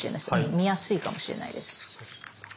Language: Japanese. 見やすいかもしれないです。